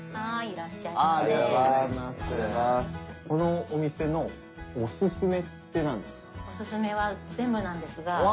このお店のおすすめってなんですか？